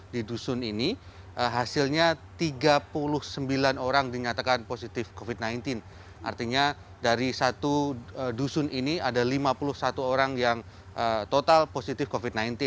di dusun ini hasilnya tiga puluh sembilan orang dinyatakan positif covid sembilan belas artinya dari satu dusun ini ada lima puluh satu orang yang total positif covid sembilan belas